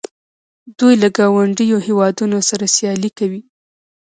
دوی له ګاونډیو هیوادونو سره سیالي کوي.